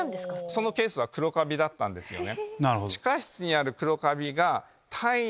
そのケースは黒カビだったんですよね。